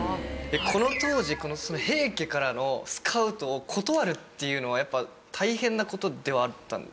この当時平家からのスカウトを断るっていうのはやっぱ大変な事ではあったんですか？